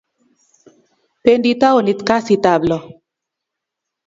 Pendi townit kasit ab loo